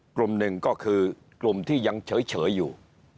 กลุ่มหนึ่งก็คือกลุ่มที่ยังเฉยอยู่